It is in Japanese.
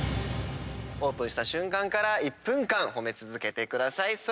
オープンした瞬間から１分間褒め続けてください。